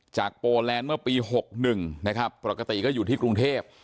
โปแลนด์เมื่อปี๖๑นะครับปกติก็อยู่ที่กรุงเทพ